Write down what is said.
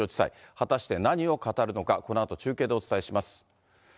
果たして何を語るのか、このあと中継でお伝えします。